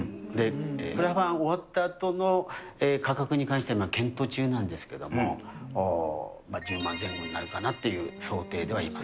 クラファン終わったあとの価格に関しては、検討中なんですけれども、１０万前後になるかなという想定ではいます。